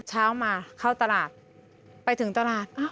เช้ามาเข้าตลาดไปถึงตลาด